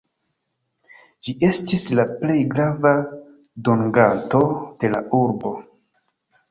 Ĝi estas la plej granda dunganto de la urbo.